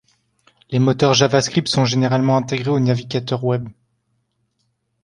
Les moteurs JavaScript sont généralement intégrés aux navigateurs Web.